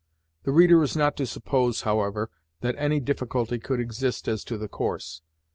The reader is not to suppose, however, that any difficulty could exist as to the course.